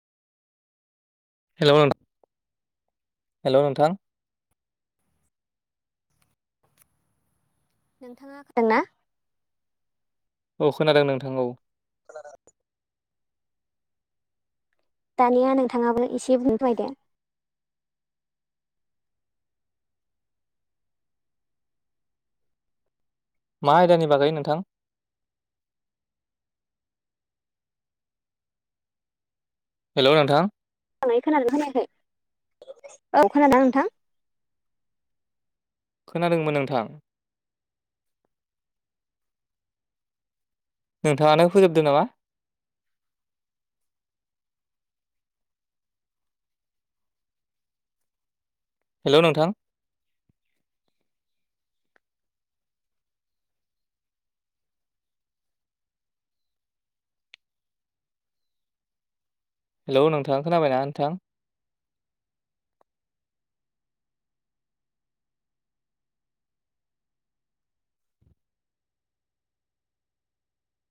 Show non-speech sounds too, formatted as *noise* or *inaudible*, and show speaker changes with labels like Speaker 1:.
Speaker 1: हेल' नोंथां हेल' नोंथां।
Speaker 2: नोंथाङा खोनादोंना?
Speaker 1: औ खोनादों नोंथां औ।
Speaker 2: *inaudible* दानिया नोंथाङाबो एसे बुं फोरमायदे।
Speaker 1: मा आयदानि बागै नोंथां। हेल' नोंथां।
Speaker 2: मोजाङै खोनादोंना खोनायाखै औ खोनादों खोनादोंना नोंथां?
Speaker 1: खोनादोंमोन नोंथां नोंथाङानो फोजोबदो नामा हेल' नोंथां हेलौ नोंथां खोनाबायना नोंथां?